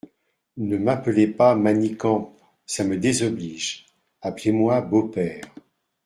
Ne m’appelez pas Manicamp… ça me désoblige… appelez-moi beau-père…